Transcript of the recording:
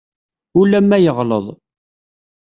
Ulamma yeɣleḍ.